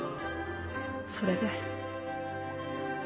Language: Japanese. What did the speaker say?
それで。